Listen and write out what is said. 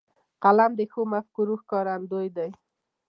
قلم د ښو مفکورو ښکارندوی دی